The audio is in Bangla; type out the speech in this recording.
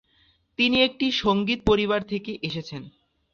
তিনি একটি সংগীত পরিবার থেকে এসেছেন।